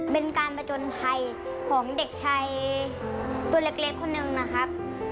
เป็นการผจญภัยของเด็กชายตัวเล็กคนหนึ่งนะครับ